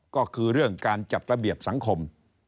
ก็คือเรื่องการจัดระเบียบสังคม